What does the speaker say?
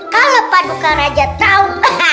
kalau padukan aja tau